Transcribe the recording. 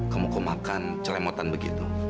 kamu kemakan ceremotan begitu